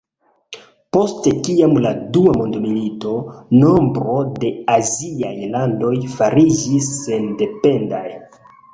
Post kiam la dua mondmilito, nombro de aziaj landoj fariĝis sendependaj.